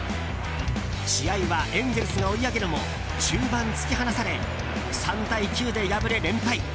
試合はエンゼルスが追い上げるも中盤に突き放され３対９で敗れ、連敗。